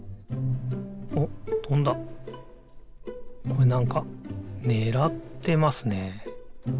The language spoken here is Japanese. これなんかねらってますね。